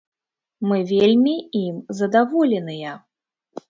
Мы вельмі ім задаволеныя.